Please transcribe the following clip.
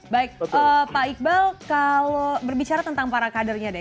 baik pak iqbal kalau berbicara tentang para kadernya deh